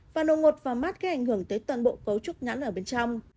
và đột ngột vào mắt gây ảnh hưởng tới toàn bộ cấu trúc nhãn ở bên trong